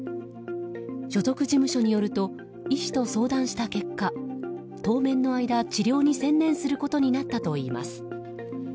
所属事務所によると医師と相談した結果当面の間、治療に専念することになったといいます。